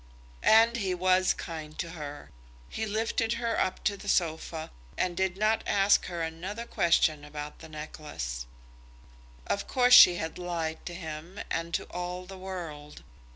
And he was kind to her. He lifted her up to the sofa and did not ask her another question about the necklace. Of course she had lied to him and to all the world.